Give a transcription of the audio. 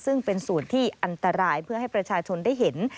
ซึ่งเป็นส่วนที่อันตรายเพื่อให้ประชาชนได้เห็น